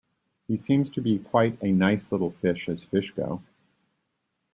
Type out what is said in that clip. He seems to be quite a nice little fish, as fish go.